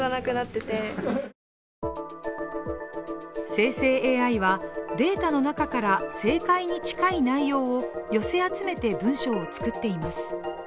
生成ＡＩは、データの中から正解に近い内容を寄せ集めて文章を作っています。